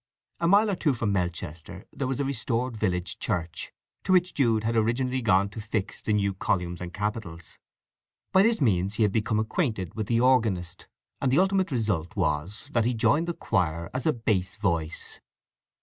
A mile or two from Melchester there was a restored village church, to which Jude had originally gone to fix the new columns and capitals. By this means he had become acquainted with the organist, and the ultimate result was that he joined the choir as a bass voice.